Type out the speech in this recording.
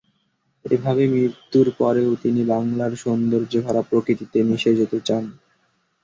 এভাবে মৃত্যুর পরেও তিনি বাংলার সৌন্দর্যে ভরা প্রকৃতিতে মিশে যেতে চান।